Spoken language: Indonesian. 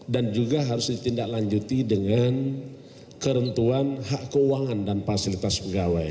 dan juga harus ditindaklanjuti dengan kerentuan hak keuangan dan fasilitas pegawai